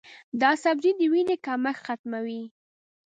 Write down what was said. دا سبزی د وینې کمښت ختموي.